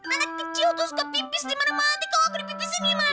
anak kecil tuh suka pipis dimana mana